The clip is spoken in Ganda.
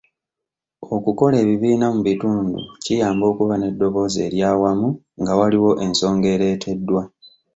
Okukola ebibiina mu bitundu kiyamba okuba n'eddoboozi ery'awamu nga waliwo ensonga ereeteddwa.